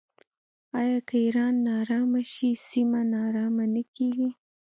آیا که ایران ناارامه شي سیمه ناارامه نه کیږي؟